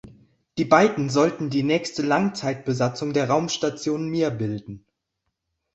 Die beiden sollten die nächste Langzeitbesatzung der Raumstation Mir bilden.